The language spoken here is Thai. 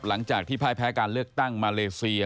หลังจากที่พ่ายแพ้การเลือกตั้งมาเลเซีย